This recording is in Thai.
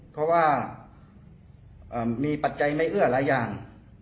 เพราะว่ามีปัจจัยไม่เอื้อหลายอย่าง